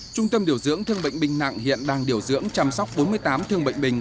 trung tâm điều dưỡng thương bệnh binh nặng hiện đang điều dưỡng chăm sóc bốn mươi tám thương bệnh binh